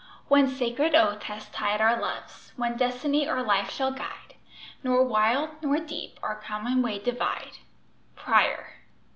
"One sacred oath has tied Our loves; one destiny our life shall guide, Nor wild, nor deep, our common way divide." Prior.